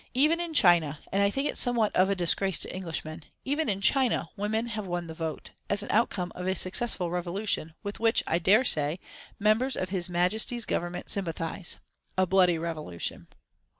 Even in China and I think it somewhat of a disgrace to Englishmen even in China women have won the vote, as an outcome of a successful revolution, with which, I dare say, members of his Majesty's Government sympathise a bloody revolution.